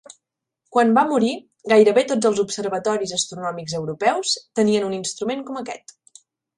Quan va morir, gairebé tots els observatoris astronòmics europeus, tenien un instrument com aquest.